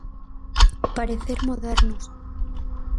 Parecer modernos.